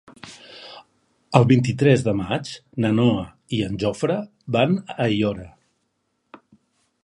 El vint-i-tres de maig na Noa i en Jofre van a Aiora.